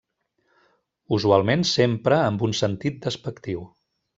Usualment s'empra amb un sentit despectiu.